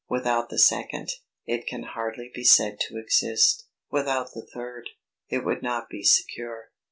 Without the second, it can hardly be said to exist. Without the third, it would not be secure.